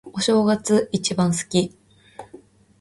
お正月、一番好き。